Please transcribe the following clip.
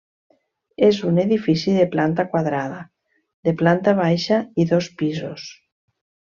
És un edifici de planta quadrada, de planta baixa i dos pisos.